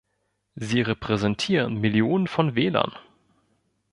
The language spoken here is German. Sie repräsentieren Millionen von Wählern!